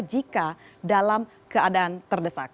jika dalam keadaan terdesak